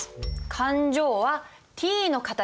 勘定はＴの形。